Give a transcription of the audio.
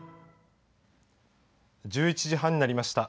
１１時半になりました。